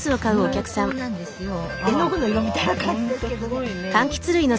絵の具の色みたいな感じですけどね。